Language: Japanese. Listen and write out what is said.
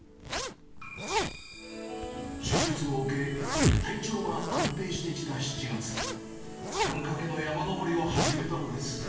手術を受け、体調が安定してきた７月、願掛けの山登りを始めたのです。